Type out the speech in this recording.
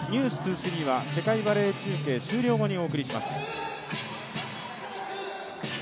「ｎｅｗｓ２３」は世界バレー中継終了後にお送りします。